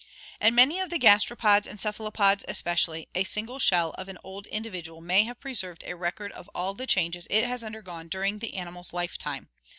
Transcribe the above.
In many of the gastropods and cephalopods especially, a single shell of an old individual may have preserved a record of all of the changes it has undergone during the animal's lifetime.